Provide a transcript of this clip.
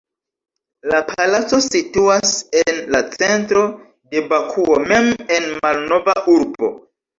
La palaco situas en la centro de Bakuo mem en Malnova urbo.